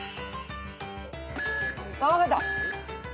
分かった。